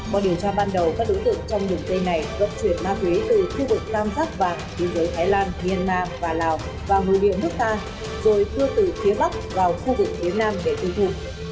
qua điều tra ban đầu các đối tượng trong đường dây này gọng chuyển ma túy từ khu vực tam giáp vàng thế giới thái lan myanmar và lào vào nguồn địa nước ta rồi tưa từ phía bắc vào khu vực phía nam để tương thụ